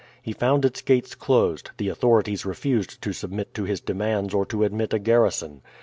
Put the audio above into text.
He found its gates closed; the authorities refused to submit to his demands or to admit a garrison.